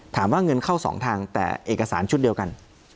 ถามว่าเงินเข้าสองทางแต่เอกสารชุดเดียวกัน